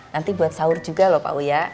nanti buat sahur juga loh pak uya